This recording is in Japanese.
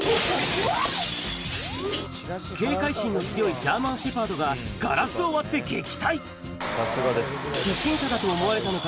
警戒心の強いジャーマン・シェパードがガラスを割って撃退不審者だと思われたのか？